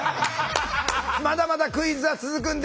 まだまだクイズは続くんです。